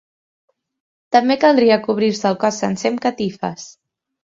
També caldria cobrir-se el cos sencer amb catifes.